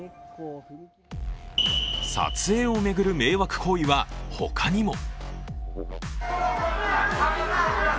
撮影を巡る迷惑行為は他にも。